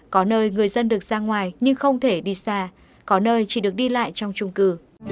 có nơi người dân được ra ngoài nhưng không thể đi xa có nơi chỉ được đi lại trong trung cư